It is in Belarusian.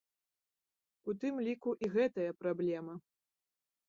У тым ліку і гэтая праблема.